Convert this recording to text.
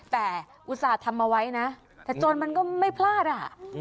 แต่อุตส่าห์ทำเอาไว้นะแต่โจรมันก็ไม่พลาดอ่ะ